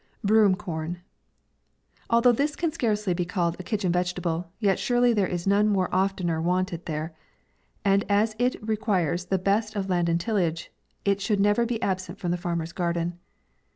100 «* BROOM CORN. Although this can scarcely be called a kitchen vegetable, yet surely there is none more or oftener wanted there ; and as it re quires the best of land and tillage, it should never be absent from the farmer's garden.